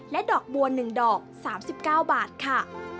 ดอกบัว๑ดอก๓๙บาทค่ะ